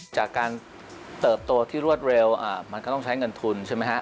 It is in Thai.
จากการเติบโตที่รวดเร็วมันก็ต้องใช้เงินทุนใช่ไหมฮะ